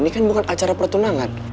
ini kan bukan acara pertunangan